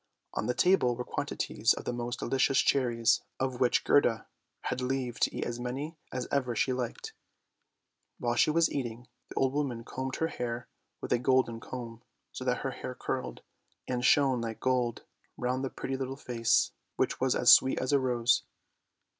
On the table were quantities of the most delicious cherries, of which Gerda had leave to eat as many as ever she liked. While she was eating, the old woman combed her hair with a golden comb, so that her hair curled, and shone like gold round the pretty little face, which was as sweet as a rose.